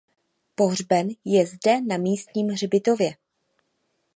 Pohřben je zde na místním hřbitově.